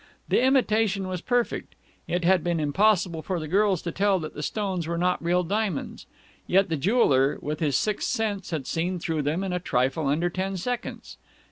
The imitation was perfect. It had been impossible for the girls to tell that the stones were not real diamonds. Yet the jeweller, with his sixth sense, had seen through them in a trifle under ten seconds.